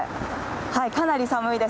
かなり寒いです。